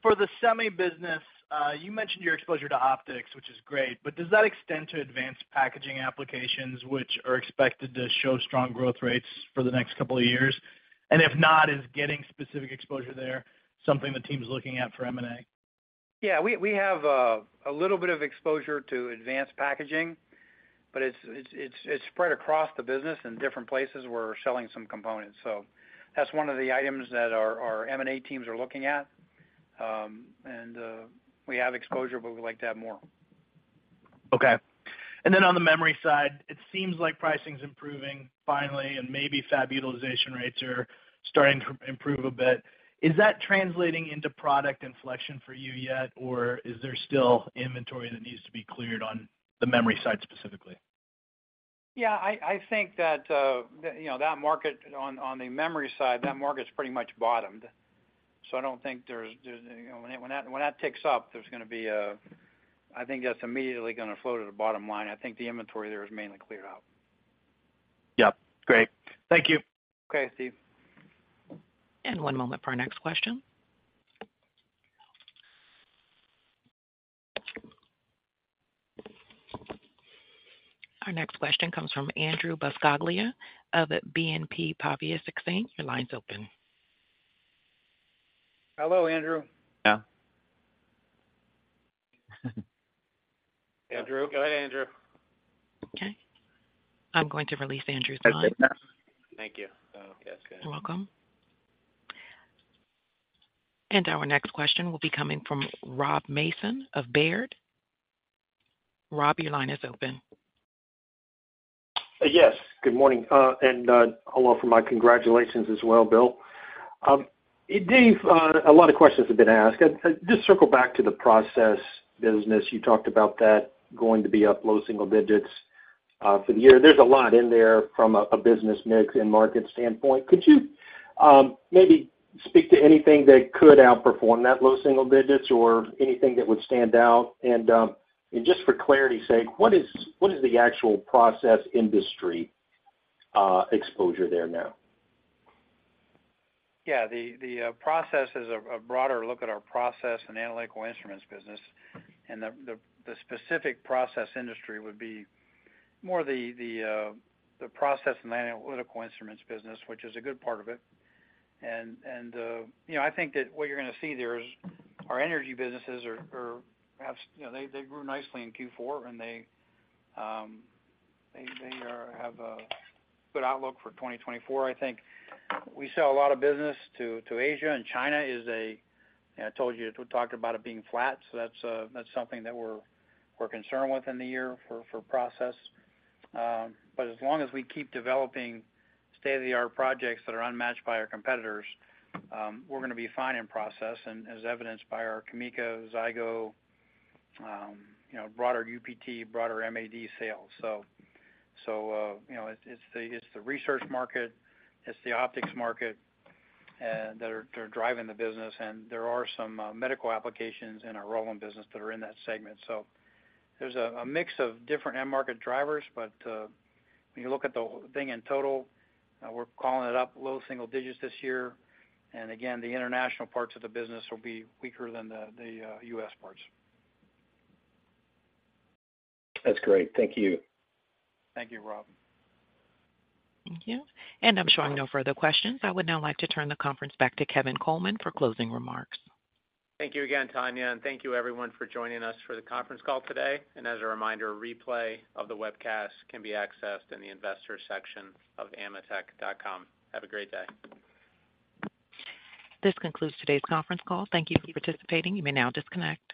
For the semi business, you mentioned your exposure to optics, which is great, but does that extend to advanced packaging applications, which are expected to show strong growth rates for the next couple of years? And if not, is getting specific exposure there something the team's looking at for M&A? Yeah, we have a little bit of exposure to advanced packaging, but it's spread across the business in different places where we're selling some components. So that's one of the items that our M&A teams are looking at. And we have exposure, but we'd like to have more. Okay. And then on the memory side, it seems like pricing's improving finally, and maybe fab utilization rates are starting to improve a bit. Is that translating into product inflection for you yet, or is there still inventory that needs to be cleared on the memory side specifically? Yeah, I think that, you know, that market on the memory side, that market's pretty much bottomed. So I don't think there's, you know, when that takes up, there's gonna be a I think that's immediately gonna flow to the bottom line. I think the inventory there is mainly cleared out. Yep. Great. Thank you. Okay, Steve. One moment for our next question. Our next question comes from Andrew Buscaglia of BNP Paribas Exane. Your line's open. Hello, Andrew. Yeah. Andrew? Go ahead, Andrew. Okay. I'm going to release Andrew's line. Thank you. Yes, go ahead. You're welcome. Our next question will be coming from Rob Mason of Baird. Rob, your line is open. Yes, good morning, and hello and my congratulations as well, Bill. Dave, a lot of questions have been asked. Just circle back to the process business. You talked about that going to be up low single digits for the year. There's a lot in there from a business mix and market standpoint. Could you maybe speak to anything that could outperform that low single digits or anything that would stand out? And just for clarity's sake, what is the actual process industry exposure there now? Yeah, the process is a broader look at our process and analytical instruments business. And the specific process industry would be more the process and analytical instruments business, which is a good part of it. And, you know, I think that what you're gonna see there is our energy businesses are perhaps, you know, they grew nicely in Q4, and they have a good outlook for 2024. I think we sell a lot of business to Asia, and China is, you know, I told you, we talked about it being flat, so that's something that we're concerned with in the year for process. But as long as we keep developing state-of-the-art projects that are unmatched by our competitors, we're gonna be fine in process, and as evidenced by our CAMECA, Zygo, you know, broader UPT, broader MAD sales. So, you know, it's the research market, it's the optics market that are driving the business, and there are some medical applications in our Rauland business that are in that segment. So there's a mix of different end-market drivers, but when you look at the whole thing in total, we're calling it up low single digits this year. And again, the international parts of the business will be weaker than the U.S. parts. That's great. Thank you. Thank you, Rob. Thank you. I'm showing no further questions. I would now like to turn the conference back to Kevin Coleman for closing remarks. Thank you again, Tanya, and thank you everyone for joining us for the conference call today. As a reminder, a replay of the webcast can be accessed in the Investors section of AMETEK.com. Have a great day. This concludes today's conference call. Thank you for participating. You may now disconnect.